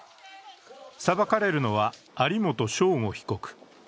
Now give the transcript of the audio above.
裁かれるのは有本匠吾被告。